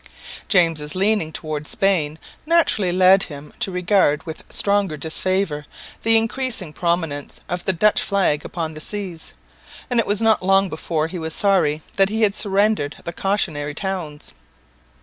James' leaning towards Spain naturally led him to regard with stronger disfavour the increasing predominance of the Dutch flag upon the seas, and it was not long before he was sorry that he had surrendered the cautionary towns.